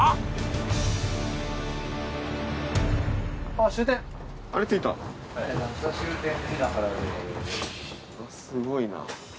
わっすごいな。